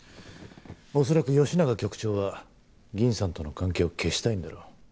恐らく吉永局長は銀さんとの関係を消したいんだろう。